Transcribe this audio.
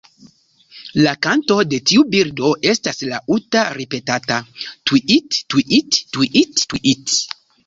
La kanto de tiu birdo estas laŭta ripetata "tŭiit-tŭiit-tŭiit-tŭiit".